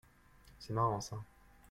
C'est marrant ça.